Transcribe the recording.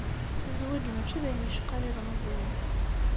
Zzwaǧ mačči d ayen yecqan ilmeẓyen.